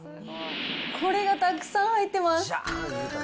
これがたくさん入ってます。